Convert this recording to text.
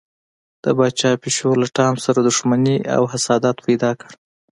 د پاچا پیشو له ټام سره دښمني او حسادت پیدا کړ.